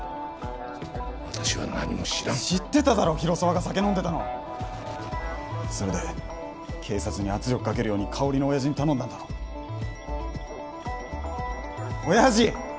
私は何も知らん知ってただろ広沢が酒飲んでたのそれで警察に圧力かけるように香織の親父に頼んだんだろ親父！